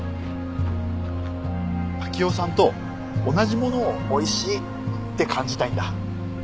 暁代さんと同じものをおいしいって感じたいんだ。